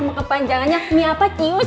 nama kepanjangannya miapa cius